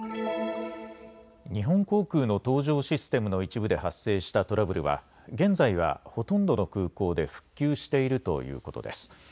日本航空の搭乗システムの一部で発生したトラブルは現在はほとんどの空港で復旧しているということです。